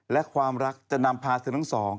และความรักจะนำพาเธอทั้งสอง